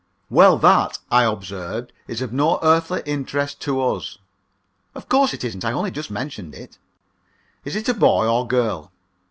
"Well, that," I observed, "is of no earthly interest to us." "Of course it isn't. I only just mentioned it." "Is it a boy or girl?"